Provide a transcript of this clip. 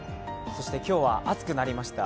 今日は暑くなりました。